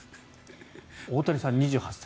大谷さん、２８歳。